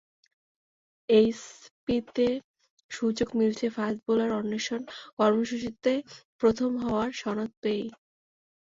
এইচপিতে সুযোগ মিলেছে fast bowler অন্বেষণ কর্মসূচিতে প্রথম হওয়ার সনদ পেয়েই।